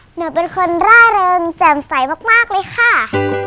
หนูเป็นคนร่าเริงแจ่มใสมากเลยค่ะ